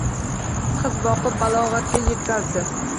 Qiz boqib, balog‘atga yetkazdi